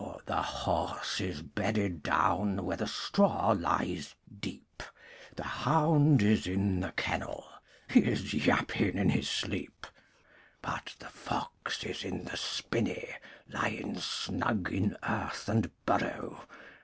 The horse is bedded down Where the straw lies deep, The hound is in the kennel, He is yapping in his sleep. But the fox is in the spinney Lying snug in earth and burrow.